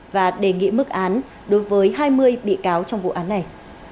và đề nghị mức án đối với hai mươi bị cáo trong vụ án này